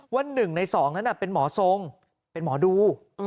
ว่า๑ใน๒นั้นเป็นหมอทรงเป็นหมอดู